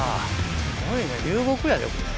すごいね流木やでこれ。